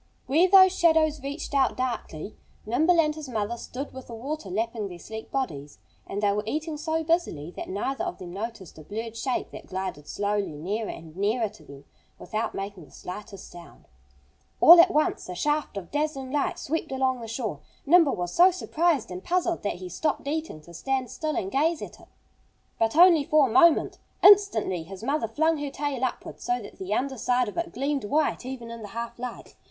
Where those shadows reached out darkly Nimble and his mother stood with the water lapping their sleek bodies. And they were eating so busily that neither of them noticed a blurred shape that glided slowly nearer and nearer to them, without making the slightest sound. All at once a shaft of dazzling light swept along the shore. Nimble was so surprised and puzzled that he stopped eating to stand still and gaze at it. [Illustration: Never Had Nimble Run So Fast Before. Page 42] But only for a moment! Instantly his mother flung her tail upward, so that the under side of it gleamed white even in the half light.